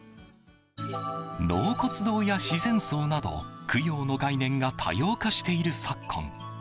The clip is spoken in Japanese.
納骨や自然葬など供養の概念が多様化している昨今。